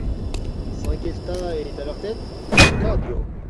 Saint-Gueltas est à leur tête ? CADIO.